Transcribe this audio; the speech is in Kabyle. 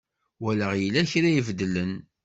Walaɣ yella kra ibeddlen.